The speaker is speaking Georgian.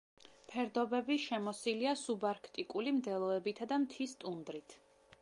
ფერდობები შემოსილია სუბარქტიკული მდელოებითა და მთის ტუნდრით.